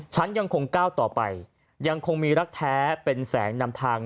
ฉันยังคงก้าวต่อไปยังคงมีรักแท้เป็นแสงนำทาง